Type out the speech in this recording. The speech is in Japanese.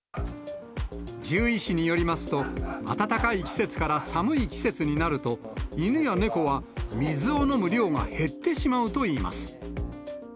獣医師によりますと、暖かい季節から寒い季節になると、犬や猫は水を飲む量が減ってしまうといいます。